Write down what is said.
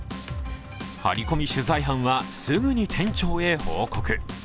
ハリコミ取材班はすぐに店長へ報告。